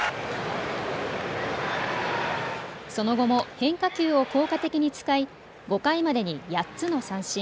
その後も変化球を効果的に使い５回までに８つの三振。